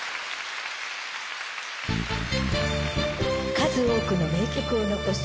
数多くの名曲を残し